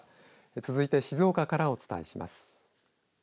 続いて静岡からお伝えします。